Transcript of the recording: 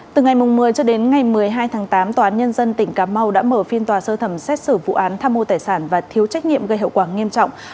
từ ngày một mươi cho đến ngày một mươi hai tháng tám tòa án nhân dân tỉnh cà mau đã mở phiên tòa sơ thẩm xét xử vụ án tham mô tài sản và thiếu trách nhiệm gây hậu quả nghiêm trọng